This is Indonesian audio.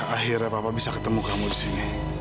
akhirnya papa bisa ketemu kamu disini